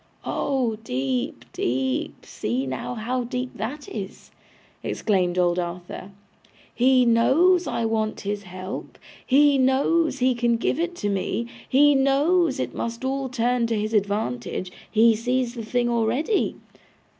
'Oh deep, deep! See now how deep that is!' exclaimed old Arthur. 'He knows I want his help, he knows he can give it me, he knows it must all turn to his advantage, he sees the thing already.